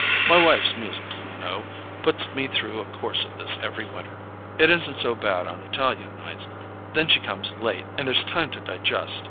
My wife's musical, you know—puts me through a course of this every winter. It isn't so bad on Italian nights—then she comes late, and there's time to digest.